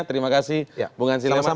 terima kasih bung hansi lemah